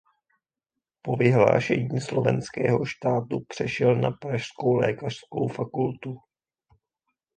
Po vyhlášení Slovenského štátu přešel na pražskou lékařskou fakultu.